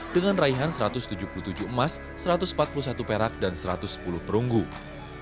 dengan raihan satu ratus tujuh puluh tujuh emas satu ratus empat puluh satu perak dan seratus penyelenggara